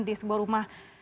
di sebuah rumah